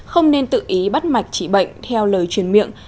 không nên tự ý bắt mạch chỉ bệnh theo lời truyền miệng